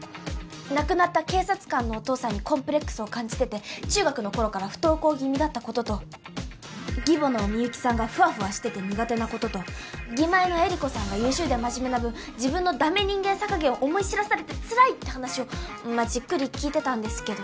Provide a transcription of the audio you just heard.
亡くなった警察官のお父さんにコンプレックスを感じてて中学の頃から不登校気味だった事と義母の深雪さんがフワフワしてて苦手な事と義妹の衿子さんが優秀で真面目な分自分のダメ人間さ加減を思い知らされてつらいって話をじっくり聞いてたんですけど。